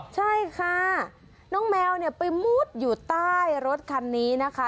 ใช่ค่ะน้องแมวเนี่ยไปมุดอยู่ใต้รถคันนี้นะคะ